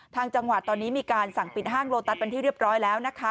ทางจังหวัดตอนนี้มีการสั่งปิดห้างโลตัสเป็นที่เรียบร้อยแล้วนะคะ